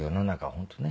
本当ね